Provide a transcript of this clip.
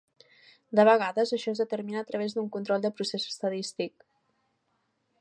De vegades això es determina a través d'un control de procés estadístic.